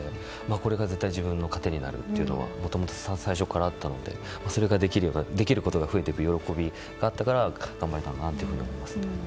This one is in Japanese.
これが絶対自分の糧になるというのがもともと最初からあったのでできることが増えていく喜びがあったから頑張れたかなと思います。